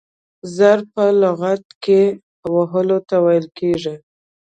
ضرب په لغت کښي وهلو ته وايي.